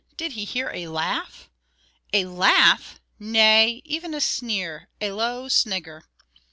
DID he hear a laugh? A laugh! nay, even a sneer, a low snigger."